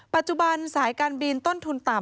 ปัจจุบันสายการบินต้นทุนต่ำ